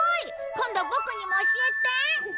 今度ボクにも教えて！